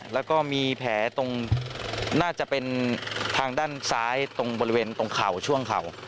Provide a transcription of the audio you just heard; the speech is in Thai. แล้วก็มีแผลตรงน่าจะเป็นทางด้านซ้ายตรงบริเวณตรงเข่าช่วงเข่า